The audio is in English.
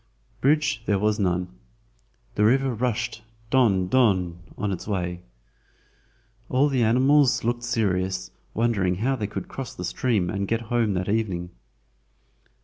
Bridge there was none. The river rushed "don, don" on its way. All the animals looked serious, wondering how they could cross the stream and get home that evening.